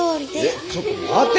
えちょっと待て。